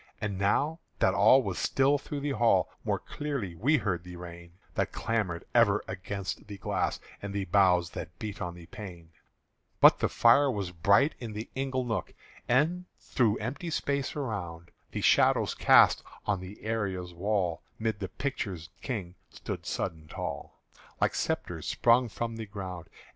And now that all was still through the hall, More clearly we heard the rain That clamoured ever against the glass And the boughs that beat on the pane But the fire was bright in the ingle nook, And through empty space around The shadows cast on the arras'd wall 'Mid the pictured kings stood sudden and tall Like spectres sprung from the ground.